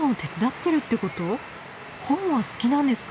本は好きなんですか？